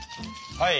はい。